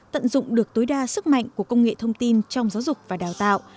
tận dụng được tối đa sức mạnh của công nghệ thông tin trong giáo dục và đào tạo